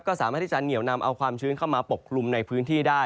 ก็สามารถที่จะเหนียวนำเอาความชื้นเข้ามาปกคลุมในพื้นที่ได้